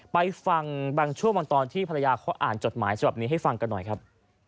ไปฟังบางช่วงบางตอนที่ภรรยาเขาอ่านจดหมายฉบับนี้ให้ฟังกันหน่อยครับ